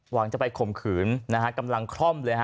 หวังจะไปข่มขืนนะฮะกำลังคล่อมเลยฮ